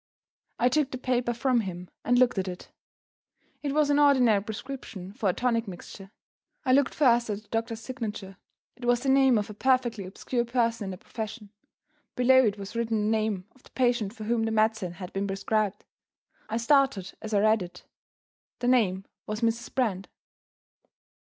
I took the paper from him, and looked at it. It was an ordinary prescription for a tonic mixture. I looked first at the doctor's signature; it was the name of a perfectly obscure person in the profession. Below it was written the name of the patient for whom the medicine had been prescribed. I started as I read it. The name was "Mrs. Brand."